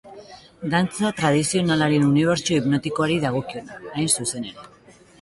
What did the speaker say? Dantza tradizionalen unibertso hipnotikoari dagokiona, hain zuzen ere.